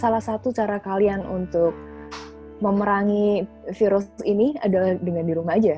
salah satu cara kalian untuk memerangi virus ini adalah dengan di rumah aja